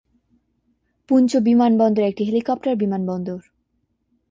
পুঞ্চ বিমানবন্দর একটি হেলিকপ্টার বিমানবন্দর।